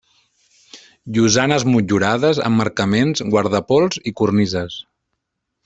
Llosanes motllurades, emmarcaments, guardapols i cornises.